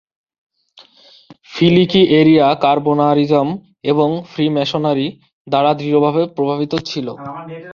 ফিলিকি Eteria Carbonarism এবং freemasonry দ্বারা দৃঢ়ভাবে প্রভাবিত ছিল।